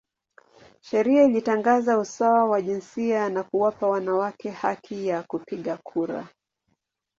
Sheria ilitangaza usawa wa jinsia na kuwapa wanawake haki ya kupiga kura.